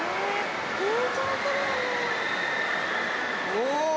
お！